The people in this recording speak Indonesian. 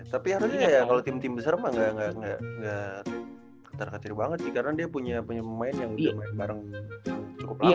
tapi harusnya kalo tim tim besar emang ga ketar ketin banget sih karena dia punya pemain yang udah main bareng cukup lama